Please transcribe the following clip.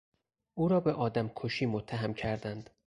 او را به آدم کشی متهم کردند.